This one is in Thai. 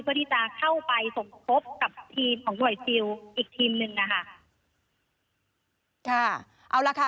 เพื่อที่จะเข้าไปสมทบกับทีมของหน่วยซิลอีกทีมหนึ่งอ่ะค่ะเอาล่ะค่ะ